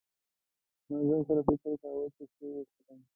ما ځان سره فکر کاوه چې څه وخورم.